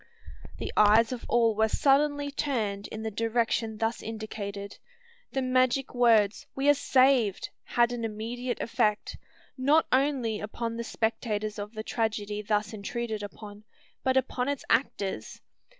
The eyes of all were suddenly turned in the direction thus indicated. The magic words, "We are saved!" had an immediate effect, not only upon the spectators of the tragedy thus intruded upon, but upon its actors.